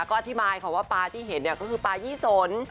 แล้วก็อธิบายเขาว่าปลาที่เห็นก็คือปลายี่สน